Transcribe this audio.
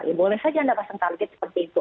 ya boleh saja anda pasang target seperti itu